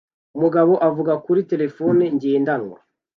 Umugabo avuga kuri terefone ngendanwa